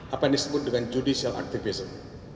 apa yang disebut dengan judicial activism